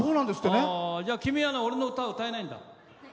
じゃあ、君は俺の歌を歌えないんだ。